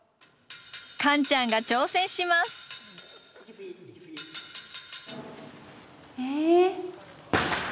カンちゃんが挑戦します。え？